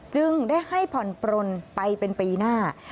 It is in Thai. จึงได้ให้ผ่อนปลนไปเป็นปีหน้า